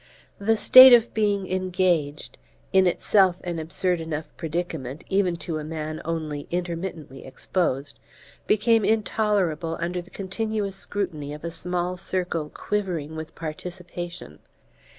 The state of being "engaged", in itself an absurd enough predicament, even to a man only intermittently exposed, became intolerable under the continuous scrutiny of a small circle quivering with participation.